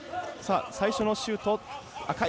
最初のシュートは赤石。